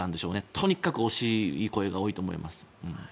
とにかく惜しい声が多いと思います。